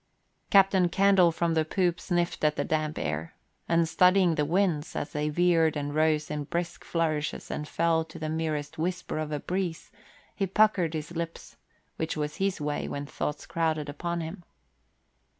Captain Candle from the poop sniffed at the damp air: and studying the winds as they veered and rose in brisk flourishes and fell to the merest whisper of a breeze, he puckered his lips, which was his way when thoughts crowded upon him.